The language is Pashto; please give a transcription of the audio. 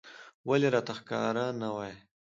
ولې راته ښکاره نه وايې